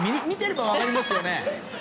見てれば分かりますよね。